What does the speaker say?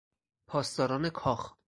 پاسداران کاخ